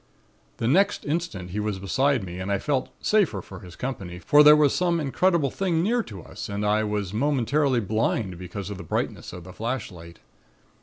"The next instant he was beside me and I felt safer for his company, for there was some incredible thing near to us and I was momentarily blind because of the brightness of the flashlight.